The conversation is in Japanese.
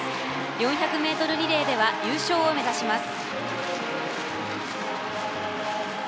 ４００ｍリレーでは優勝を目指します。